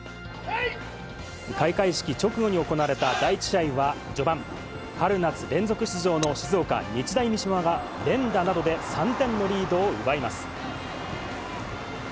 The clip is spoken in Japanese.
開会式直後に行われた第１試合は序盤、春夏連続出場の静岡・日大三島が連打などで３点のリードを奪います。